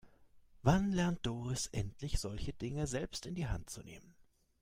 Wann lernt Doris endlich, solche Dinge selbst in die Hand zu nehmen?